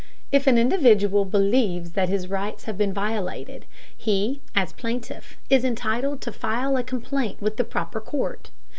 If an individual believes that his rights have been violated, he, as plaintiff, is entitled to file a complaint with the proper court.